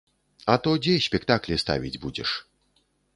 А то дзе спектаклі ставіць будзеш?